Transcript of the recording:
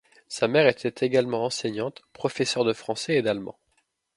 Sa mère était également enseignante, professeure de français et d'allemand.